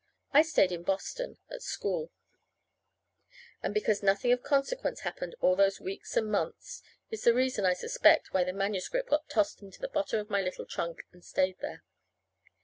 I stayed in Boston at school; and because nothing of consequence happened all those weeks and months is the reason, I suspect, why the manuscript got tossed into the bottom of my little trunk and stayed there.